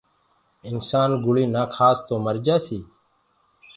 انسآن گُݪي نآ کآس تو مرجآسي